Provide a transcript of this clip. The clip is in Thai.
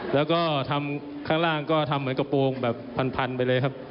แล้วก็ทำข้างล่างก็ทำเหมือนกระโปรงแบบพันไปเลยครับ